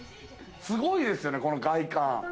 すごいですよね、この外観。